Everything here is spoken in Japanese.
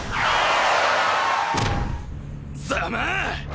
ざまあ！